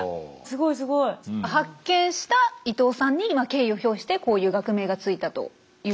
すごいすごい。発見した伊東さんに敬意を表してこういう学名がついたということですよね。